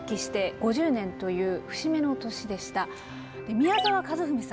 宮沢和史さん